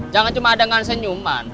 jangan cuma dengan senyuman